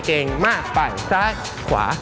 เก่งมากฝั่งซ้ายขวา